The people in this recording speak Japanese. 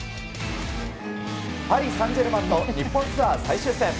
パリ・サンジェルマンの日本ツアー最終戦。